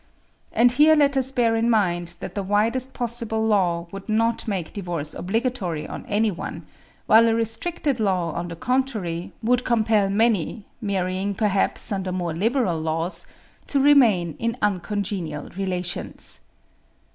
And here let us bear in mind that the widest possible law would not make divorce obligatory on anyone, while a restricted law, on the contrary, would compel many, marrying, perhaps, under more liberal laws, to remain in uncongenial relations.